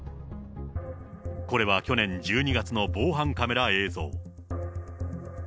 これは去年１２月の防犯カメラ映像。